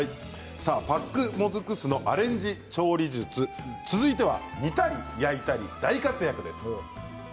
パックもずく酢のアレンジ調理術続いては煮たり、焼いたり大活躍です。